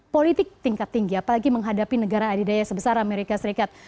politik tingkat tinggi apalagi menghadapi negara adidaya sebesar amerika serikat